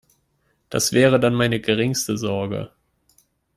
Das wäre dann meine geringste Sorge.